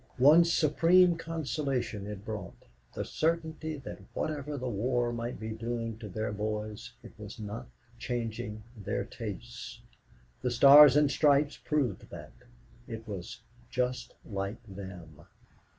One supreme consolation it brought the certainty that whatever the war might be doing to their boys, it was not changing their tastes. The Stars and Stripes proved that. It was "just like them."